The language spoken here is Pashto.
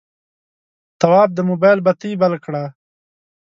تواب د موبایل بتۍ بل کړه.